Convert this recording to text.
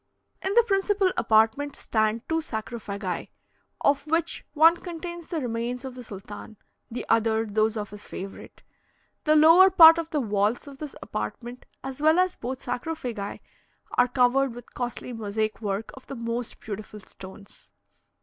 In the principal apartment stand two sarcophagi, of which one contains the remains of the sultan, the other those of his favourite. The lower part of the walls of this apartment, as well as both sarcophagi, are covered with costly mosaic work of the most beautiful stones.